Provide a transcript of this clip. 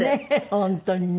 本当にね。